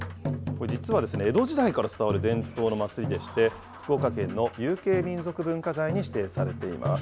これ実はですね、江戸時代から伝わる伝統の祭りでして、福岡県の有形民俗文化財に指定されています。